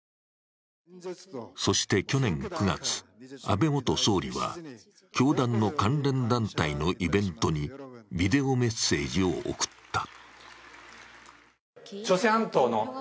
そして去年９月、安倍元総理は教団の関連団体のイベントにビデオメッセージを送った。